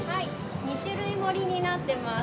２種類盛りになっています。